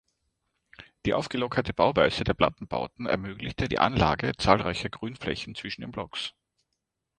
Die aufgelockerte Bauweise der Plattenbauten ermöglichte die Anlage zahlreicher Grünflächen zwischen den Blocks.